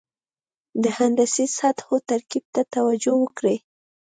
د هندسي سطحو ترکیب ته توجه وکړئ.